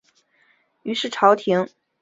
于是清廷分土尔扈特为新旧二部。